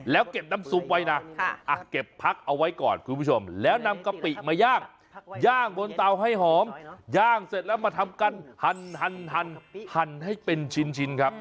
แล้วก็ใส่บ่ายสมุนเปิงสวมภายลงไปด้วย